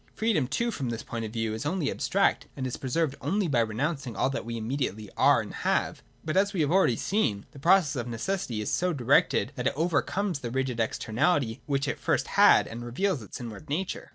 Freedom too from this point of view is only ab stract, and is preserved only by renouncing all that we immediately are and have. But, as we have seen already, ijS, 159.] NECESSITY AND FREEDOM. 283 the process of necessity is so directed that it overcomes the rigid externality which it first had and reveals its inward nature.